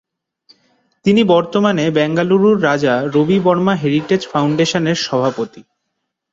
তিনি বর্তমানে বেঙ্গালুরুর রাজা রবি বর্মা হেরিটেজ ফাউন্ডেশনের সভাপতি।